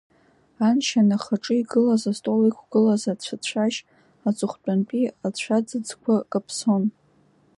Аншьан ахаҿы игылаз астол иқәгылаз ацәацәашь аҵыхәтәантәи ацәаӡыӡқәа каԥсон.